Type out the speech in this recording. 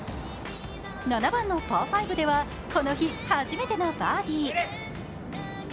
７番のパー５ではこの日、初めてのバーディー。